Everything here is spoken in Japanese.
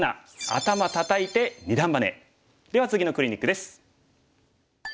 では次のクリニックです。